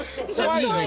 いいね。